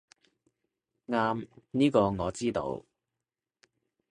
啱，呢個我知道